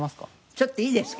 ちょっといいですか？